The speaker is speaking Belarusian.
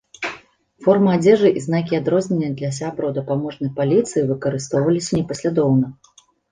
Форма адзежы і знакі адрознення для сябраў дапаможнай паліцыі выкарыстоўваліся непаслядоўна.